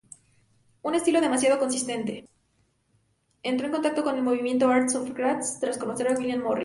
Entró en contacto con el movimiento "Arts and Crafts" tras conocer a William Morris.